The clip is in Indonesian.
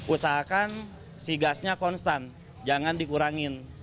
usahakan si gasnya konstan jangan dikurangin